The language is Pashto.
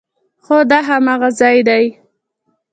هو، دا هماغه ځای ده